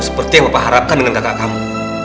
seperti yang bapak harapkan dengan kakak kamu